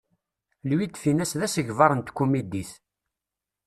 Louis de Funès d asegbar n tkumidit.